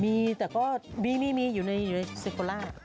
มีแต่ก็มีอยู่ในเซโกราส